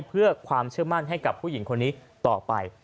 เพื่อความเชื่อมั่นให้กับผู้หญิงคนนี้ต่อไป